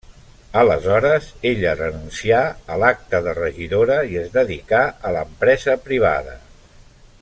Aleshores, ella renuncià a l'acta de regidora i es dedicà a l'empresa privada.